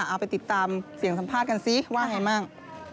เอาไปติดตามเสียงสัมภาษณ์กันซิว่าไงมั่ง